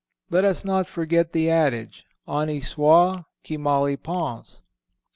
Let us not forget the adage, "_Honi soit qui mal y pense.